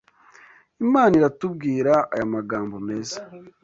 Imana iratubwira aya magambo meza